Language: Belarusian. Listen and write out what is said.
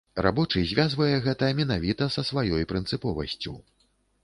Рабочы звязвае гэта менавіта са сваёй прынцыповасцю.